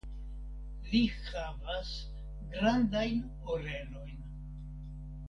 Li havas grandajn orelojn.